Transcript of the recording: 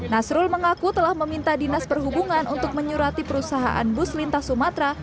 nasrul mengaku telah meminta dinas perhubungan untuk menyurati perusahaan bus lintas sumatera